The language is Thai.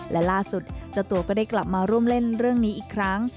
และล่าสุดเจ้าตัวก็ได้กลับมาร่วมเล่นเรื่องนี้อีกครั้ง